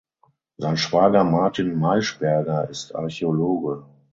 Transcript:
Sein Schwager Martin Maischberger ist Archäologe.